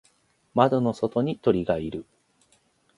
窓の外に鳥がいる。